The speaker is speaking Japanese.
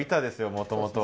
もともとは。